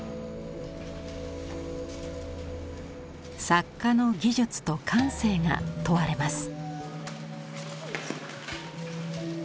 作家の技術と感性が問われます。